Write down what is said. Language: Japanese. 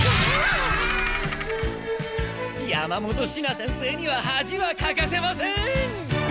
山本シナ先生にははじはかかせません。